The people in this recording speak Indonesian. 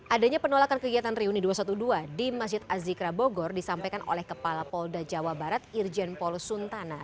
adanya penolakan kegiatan reuni dua ratus dua belas di masjid azikra bogor disampaikan oleh kepala polda jawa barat irjen paul suntana